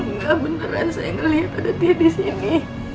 nggak beneran saya ngelihat ada dia di sini